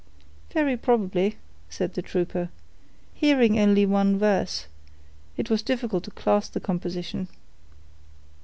"Very probably," said the trooper. "Hearing only one verse, it was difficult to class the composition."